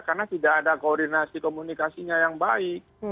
karena tidak ada koordinasi komunikasinya yang baik